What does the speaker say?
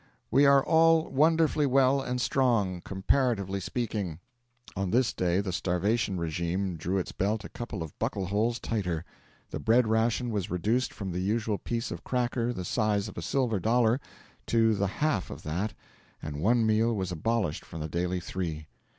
'We are all wonderfully well and strong, comparatively speaking.' On this day the starvation regime drew its belt a couple of buckle holes tighter: the bread ration was reduced from the usual piece of cracker the size of a silver dollar to the half of that, and one meal was abolished from the daily three.